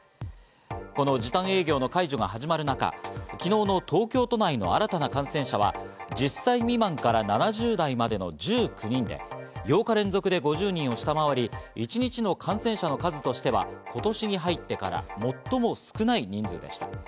この時短営業の解除が始まる中、昨日の東京都内の新たな感染者は１０歳未満から７０代までの１９人で、８日連続で５０人を下回り、一日の感染者の数としては今年入ってから最も少ない人数でした。